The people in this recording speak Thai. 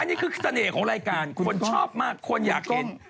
อันนี้คือเสน่ห์ของรายการคนชอบมากคนอยากกิน